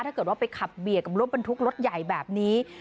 ถ้าเกิดว่าไปขับเบียดกับรถบรรทุกรถใหญ่แบบนี้